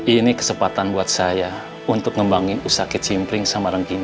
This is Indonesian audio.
ini kesempatan buat saya untuk ngebangin usakit simpring sama rengginang